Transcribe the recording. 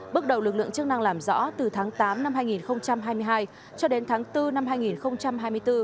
bước đầu lực lượng chức năng làm rõ từ tháng tám năm hai nghìn hai mươi hai cho đến tháng bốn năm hai nghìn hai mươi bốn